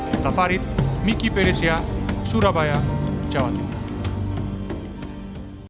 dato farid miki peresia surabaya jawa tenggara